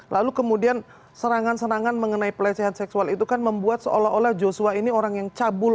lalu kemudian serangan serangan mengenai pelecehan seksual itu kan membuat seolah olah joshua ini orang yang cabul